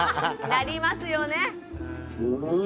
なりますよね。